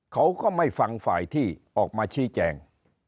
เขาก็ไม่ฟังฝ่ายที่ออกมาชี้แจง